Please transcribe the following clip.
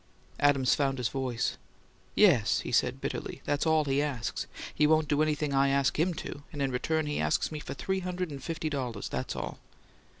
Adams found his voice. "Yes," he said, bitterly. "That's all he asks! He won't do anything I ask HIM to, and in return he asks me for three hundred and fifty dollars! That's all!"